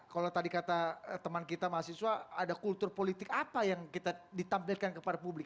kalau tadi kata teman kita mahasiswa ada kultur politik apa yang kita ditampilkan kepada publik